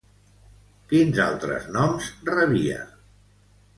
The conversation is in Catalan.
Quins altres noms rebia?